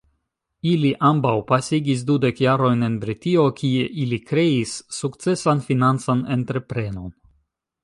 Ili ambaŭ pasigis dudek jarojn en Britio, kie ili kreis sukcesan financan entreprenon.